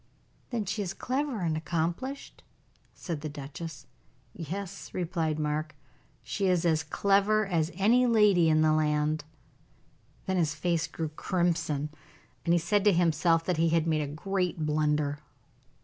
"Then she is clever and accomplished?" said the duchess. "Yes," replied Mark; "she is as clever as any lady in the land." Then his face grew crimson, and he said to himself that he had made a great blunder.